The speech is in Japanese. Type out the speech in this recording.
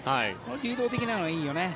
流動的なのがいいよね。